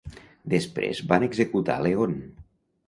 Després van executar Leon.